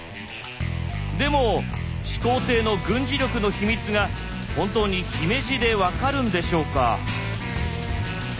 でも始皇帝の軍事力の秘密が本当に姫路で分かるんでしょうか。